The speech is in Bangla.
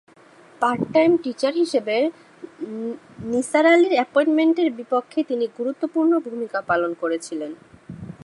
পার্টটাইম টীচার হিসেবে নিসার আলির অ্যাপয়েন্টমেন্টের বিপক্ষে তিনি গুরুত্বপূর্ণ ভূমিকা পালন করেছিলেন।